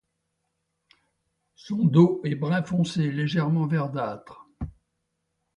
Son dos est brun foncé légèrement verdâtre.